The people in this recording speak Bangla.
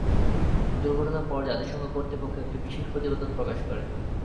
দূর্ঘটনার পর জাতিসংঘ কর্তৃপক্ষ একটি বিশেষ প্রতিবেদন প্রকাশ করে।